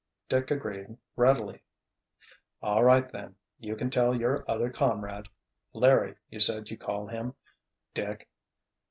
Dick agreed readily. "All right, then. You can tell your other comrade—Larry, you said you call him, Dick.